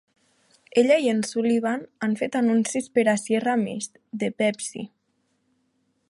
Ella i en Sullivan han fet anuncis per a "Sierra Mist" de Pepsi.